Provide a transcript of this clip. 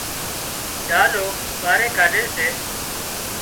ڏلو ٻاري ڪاڍي سي